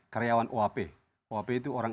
karyawan oap oap itu orang